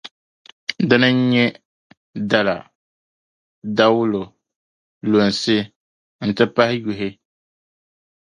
Din n-nyɛ: dala, dawulo, lunsi, nti pahi yuhi.